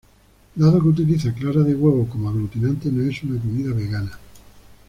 Dado que utiliza clara de huevo como aglutinante, no es una comida vegana.